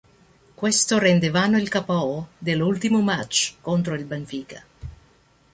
Questo rende vano il ko dell'ultimo match contro il Benfica.